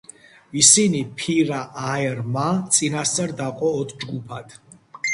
ისინი ფირა-აერ-მა წინასწარ დაყო ოთხ ჯგუფად.